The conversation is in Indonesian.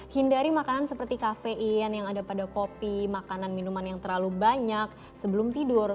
hindari makanan seperti kafein yang ada pada kopi makanan minuman yang terlalu banyak sebelum tidur